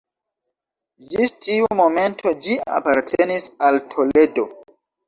Ĝis tiu momento ĝi apartenis al Toledo.